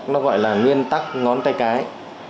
nó gọi là nguyên tắc ngón tay cái